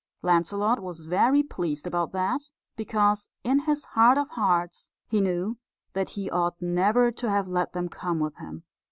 Lancelot was very pleased about that, because, in his heart of hearts, he knew that he ought never to have let them come with him.